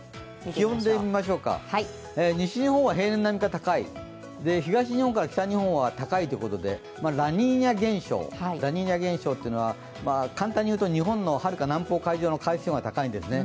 気温、西日本は平年並みか高い、東日本から北日本は高いということでラニーニャ現象、簡単に言うと日本のはるか南方海上の海水温が高いんですね。